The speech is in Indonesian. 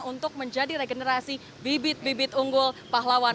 untuk menjadi regenerasi bibit bibit unggul pahlawan